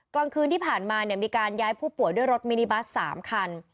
กลางคืนที่ผ่านมามีการย้ายผู้ป่วยด้วยรถมินิบัส๓คัน